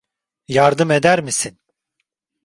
Yardım eder misin?